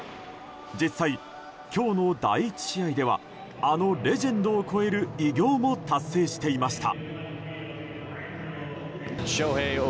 実際、今日の第１試合ではあのレジェンドを超える偉業も達成していました。